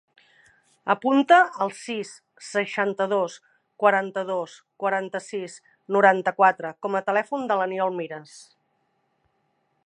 Apunta el sis, seixanta-dos, quaranta-dos, quaranta-sis, noranta-quatre com a telèfon de l'Aniol Miras.